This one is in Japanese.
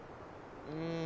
うん。